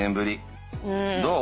どう？